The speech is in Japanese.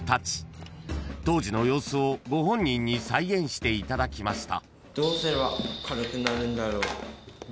［当時の様子をご本人に再現していただきました］